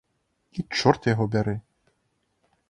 І чорт яго бяры!